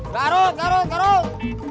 garut garut garut